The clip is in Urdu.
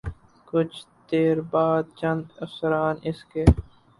کچھ دیر بعد چند افسران اس کے